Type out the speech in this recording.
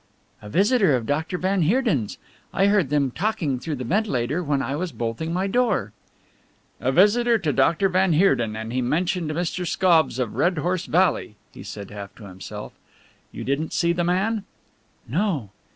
"A visitor of Doctor van Heerden's. I heard them talking through the ventilator when I was bolting my door." "A visitor to Doctor van Heerden, and he mentioned Mr. Scobbs of Red Horse Valley," he said half to himself. "You didn't see the man?" "No."